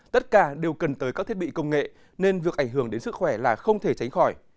tất cả đều cần tới các thiết bị công nghệ nên việc ảnh hưởng đến sức khỏe là không thể tránh khỏi